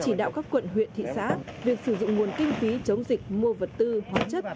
chỉ đạo các quận huyện thị xã việc sử dụng nguồn kinh phí chống dịch mua vật tư hóa chất